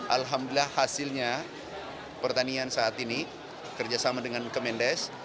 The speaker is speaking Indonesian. alhamdulillah hasilnya pertanian saat ini kerjasama dengan kemendes